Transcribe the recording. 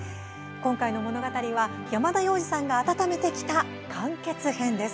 今回の物語は山田洋次さんが温めてきた完結編。